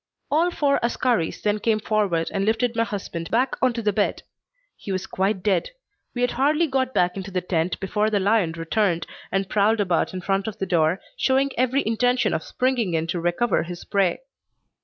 "All four askaris then came forward and lifted my husband back on to the bed. He was quite dead. We had hardly got back into the tent before the lion returned and prowled about in front of the door, showing every intention of springing in to recover his prey.